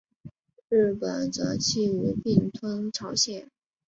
日本则觊觎吞并朝鲜。